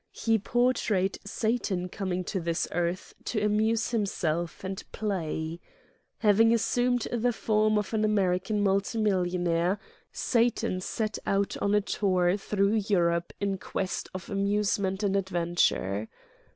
He portrayed Satan coming to this earth to amuse himself and play. Having as sumed the form of an American multi millionaire, Satan set out on a tour through Europe in quest of amusement and adventure.